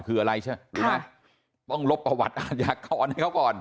คืออะไรใช่ไหมรู้ไหมต้องลบประวัติอาชญากรให้เขาก่อน